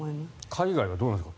海外はどうなんですか？